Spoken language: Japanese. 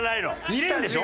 見れるんでしょ？